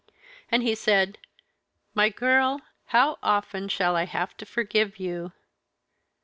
and he said, 'My girl, how often shall I have to forgive you?'